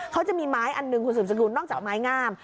เขาจะมีไม้อันหนึ่งคุณสืบสกุลนอกจากไม้งาม